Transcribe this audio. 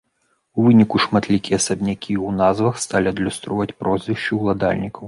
У выніку шматлікія асабнякі ў назвах сталі адлюстроўваць прозвішчы ўладальнікаў.